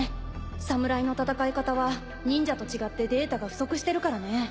サムライの戦い方は忍者と違ってデータが不足してるからね。